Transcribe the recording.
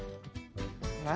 何？